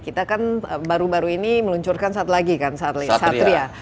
kita kan baru baru ini meluncurkan satu lagi kan satria